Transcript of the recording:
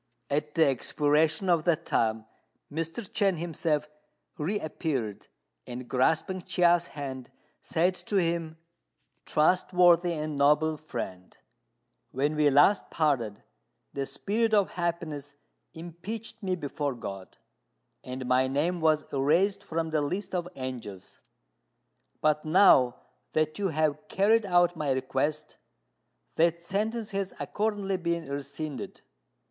At the expiration of that time Mr. Chên himself reappeared, and, grasping Chia's hand, said to him, "Trustworthy and noble friend, when we last parted the Spirit of Happiness impeached me before God, and my name was erased from the list of angels. But now that you have carried out my request, that sentence has accordingly been rescinded.